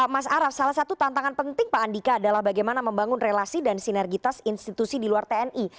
mas araf salah satu tantangan penting pak andika adalah bagaimana membangun relasi dan sinergitas institusi di luar tni